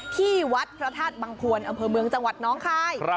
ที่วัดพระธาตุบังพวนอำเภอเมืองจังหวัดน้องคาย